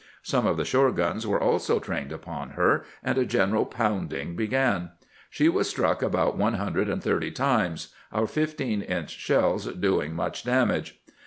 Some of the shore guns were also trained upon her, and a general pounding began. She was struck about one hundred and thirty times, our 15 inch shells doing much damage.